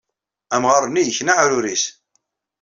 Amɣar-nni yekna aɛrur-nnes.